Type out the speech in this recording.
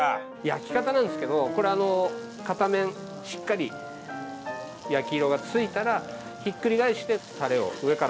焼き方なんですけどこれあの片面しっかり焼き色が付いたらひっくり返してタレを上からのせていただいて。